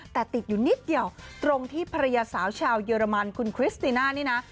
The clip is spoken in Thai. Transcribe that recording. แต่ติดอยู่นิดเดียวตรงที่ภรรยาสาวชาวเยอรมันคุณคริสติน่านี่นะ